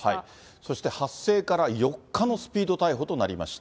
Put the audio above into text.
そして発生から４日のスピード逮捕となりました。